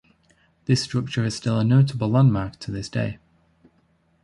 This structure is still a notable landmark to this day.